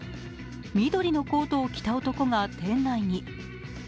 緑のコートを着た男が店内に。